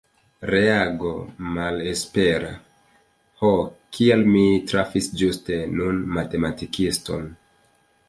Reago malespera: Ho kial mi trafis ĝuste nun matematikiston?